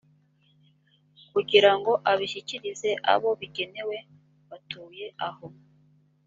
kugira ngo abishyikirize abo bigenewe batuye aho